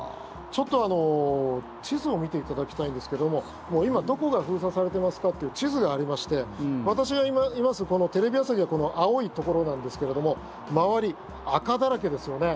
ちょっと地図を見ていただきたいんですけども今どこが封鎖されていますかっていう地図がありまして私がいますテレビ朝日はこの青いところなんですけども周り、赤だらけですよね。